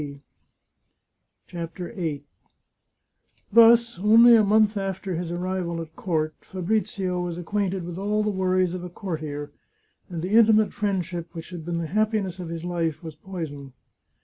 154 CHAPTER VIII Thus, only a month after his arrival at court, Fabrizio was acquainted with all the worries of a courtier, and the intimate friendship which had been the happiness of his life was poisoned.